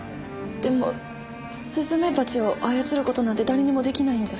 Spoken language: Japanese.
でもスズメバチを操る事なんて誰にも出来ないんじゃ。